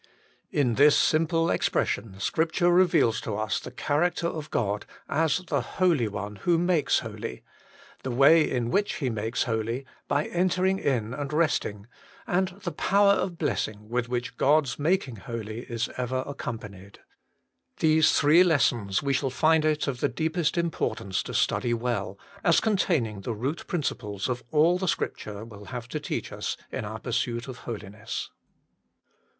In this simple expression, Scripture reveals to us the character of God as the Holy One, who makes holy ; the way in which He makes holy, by entering in and resting ; and the power of Messing with which God's making holy is ever accompanied. These three lessons we shall find it of the deepest im portance to study well, as containing the root principles of all the Scripture will have to teach us in our pursuit of Holiness.